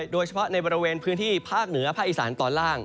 โดยเฉพาะในบริเวณพื้นที่ภาคเหนือภาคอีสานตอนล่าง